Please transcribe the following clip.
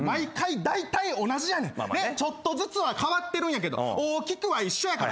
ちょっとずつは変わってるんやけど大きくは一緒やから。